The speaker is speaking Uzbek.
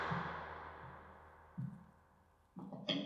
Bizning tuzumda qo‘g‘irchoq ekanini isbotlashdan ko‘ra